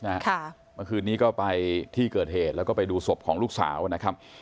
เมื่อคืนนี้ก็ไปที่เกิดเหตุแล้วก็ไปดูศพของลูกสาวนะครับ